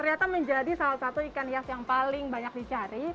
ternyata menjadi salah satu ikan hias yang paling banyak dicari